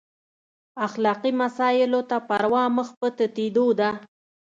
اخلاقي مسایلو ته پروا مخ په تتېدو ده.